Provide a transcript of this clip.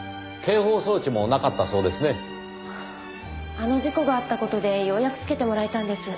あの事故があった事でようやくつけてもらえたんです。